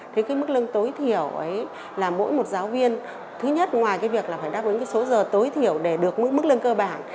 thế cái mức lương tối thiểu ấy là mỗi một giáo viên thứ nhất ngoài cái việc là phải đáp ứng cái số giờ tối thiểu để được mức lương cơ bản